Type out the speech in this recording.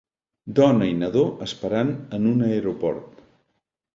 Dona i nadó esperant en un aeroport.